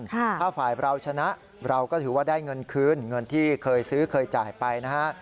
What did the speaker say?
ถ้าฝ่ายเราชนะเราก็ถือว่าได้เงินคืนเงินที่เคยซื้อเคยจ่ายไปนะฮะ